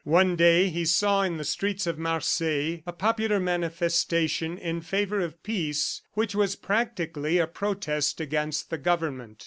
One day he saw in the streets of Marseilles a popular manifestation in favor of peace which was practically a protest against the government.